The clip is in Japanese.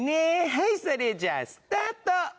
はいそれじゃあスタート。